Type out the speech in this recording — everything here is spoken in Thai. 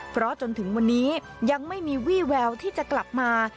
เพราะจนถึงวันนี้ยังไม่มีวี่แววที่จะกลับมา